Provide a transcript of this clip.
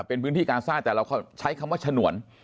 เป็นพื้นที่กาซ่าแต่เราใช้คำว่าฉนวน